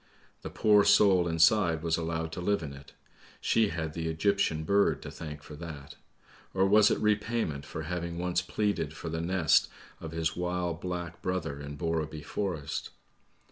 The poor soul inside was allowed to live in it; she had the Egyptian bird to thank for that ; or was it repayment for having once pleaded for the nest of his wild black brother in Borreby Forest?